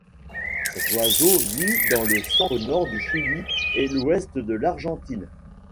Cet oiseau vit dans le centre-nord du Chili et l'ouest de l'Argentine.